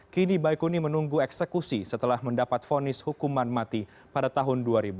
kini baik kuni menunggu eksekusi setelah mendapat fonis hukuman mati pada tahun dua ribu sepuluh